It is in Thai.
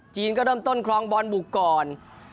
ก็เริ่มต้นคลองบอลบุกก่อน